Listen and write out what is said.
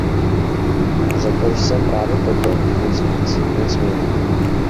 Řekl jsem právě toto, nic víc, nic míň.